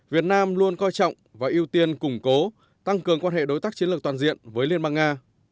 việt nam luôn coi trọng và ưu tiên củng cố tăng cường quan hệ đối tác chiến lược toàn diện với liên bang nga